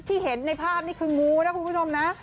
เห็นในภาพนี่คืองูนะคุณผู้ชมนะ